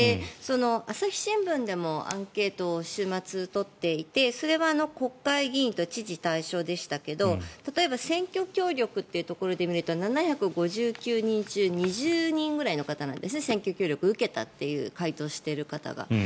朝日新聞でもアンケートを週末に取っていてそれは国会議員と知事が対象でしたけれど例えば選挙協力というところで見ると７５９人中２０人くらいの方なんですね選挙協力を受けたと回答している方が。